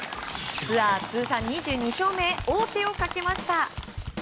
ツアー通算２２勝目へ王手をかけました。